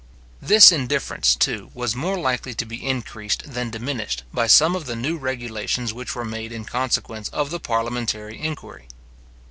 This indifference, too, was more likely to be increased than diminished by some of the new regulations which were made in consequence of the parliamentary inquiry.